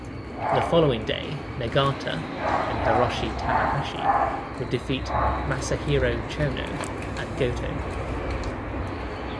The following day, Nagata and Hiroshi Tanahashi would defeat Masahiro Chono and Goto.